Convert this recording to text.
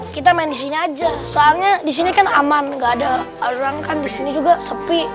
kita mainin aja soalnya disini kan aman enggak ada orang kan disini juga sepi